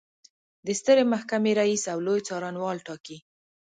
د سترې محکمې رئیس او لوی څارنوال ټاکي.